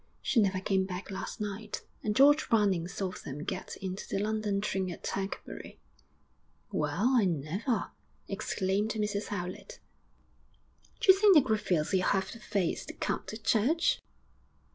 'She never came back last night, and George Browning saw them get into the London train at Tercanbury.' 'Well, I never!' exclaimed Mrs Howlett. 'D'you think the Griffiths'll have the face to come to church?'